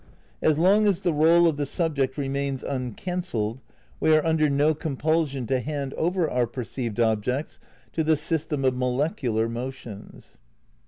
As long as the role of the subject remains uncancelled we are under no compulsion to hand over our perceived objects to the system of molecular motions.